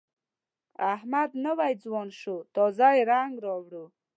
احمد نوی ځوان شوی، تازه یې رنګ راوړ.